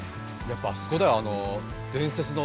やっぱあそこだよ。